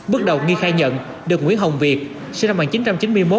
bước đầu nghi khai nhận được nguyễn hồng việt sinh năm một nghìn chín trăm chín mươi một